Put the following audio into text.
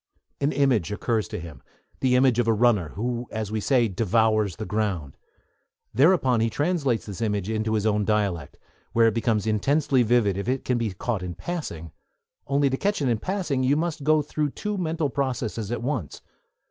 An image occurs to him, the image of a runner, who, as we say, 'devours' the ground. Thereupon he translates this image into his own dialect, where it becomes intensely vivid if it can be caught in passing; only, to catch it in passing, you must go through two mental processes at once.